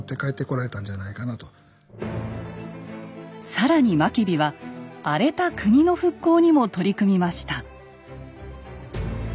更に真備は荒れた国の復興にも取り組みました。